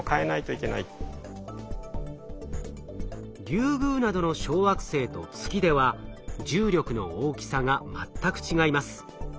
リュウグウなどの小惑星と月では重力の大きさが全く違います。